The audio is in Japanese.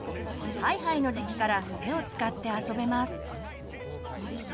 ハイハイの時期から手を使って遊べます。